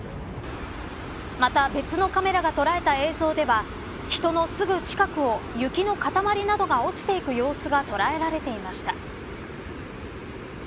また別のカメラが捉えた映像では人のすぐ近くを雪の塊などが落ちていく様子が捉えられていました。